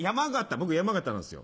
僕山形なんすよ。